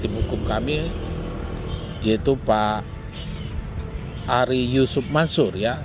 tim hukum kami yaitu pak ari yusuf mansur ya